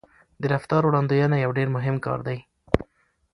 د رفتار وړاندوينه یو ډېر مهم کار دی.